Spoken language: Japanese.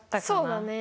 そうだね。